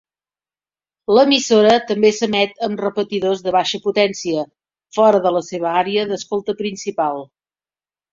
L'emissora també s'emet amb repetidors de baixa potència fora de la seva àrea d'escolta principal.